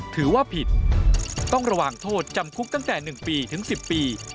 ถือว่าผิดต้องระวังโทษจำคุกตั้งแต่๑ปีถึง๑๐ปี